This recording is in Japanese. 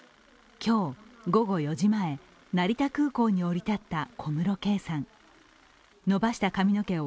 今日、午後４時前、成田空港に降り立った小室圭さん。